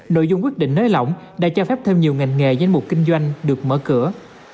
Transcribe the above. nội dung quyết định nới lỏng đã cho phép thêm nhiều ngành nghề danh mục kinh doanh được mở cửa